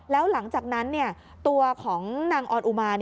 แล้วหลังจากนั้นตัวของนางออนอุมา